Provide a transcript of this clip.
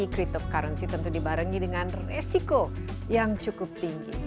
berinvestasi cryptocurrency tentu dibarengi dengan resiko yang cukup tinggi